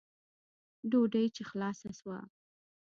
ډوډۍ چې خلاصه سوه.